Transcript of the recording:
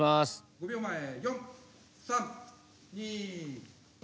５秒前４３２。